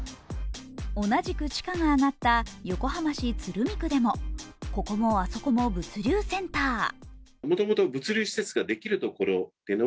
同じく地価が上がった横浜市鶴見区でもここもあそこも物流センター。